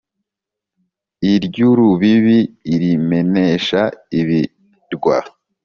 iry’urubibi irimenesha ibirwa,